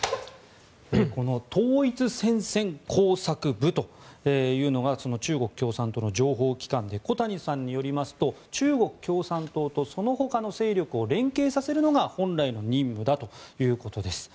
この統一戦線工作部というのが中国共産党の情報機関で小谷さんによりますと中国共産党とそのほかの勢力を連携させるのが本来の任務だということです。